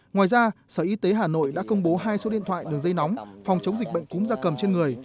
ngoài ra sở y tế hà nội đã công bố hai số điện thoại đường dây nóng phòng chống dịch bệnh cúm da cầm trên người